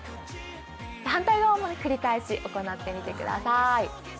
反対側も繰り返し行ってみてください。